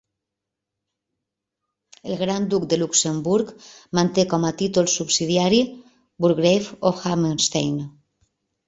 El gran duc de Luxemburg manté com a títol subsidiari "Burgrave of Hammerstein".